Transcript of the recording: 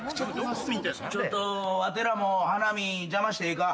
ちょっとわてらも花見邪魔してええか？